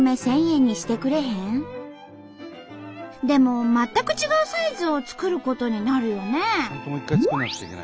でも全く違うサイズを作ることになるよね？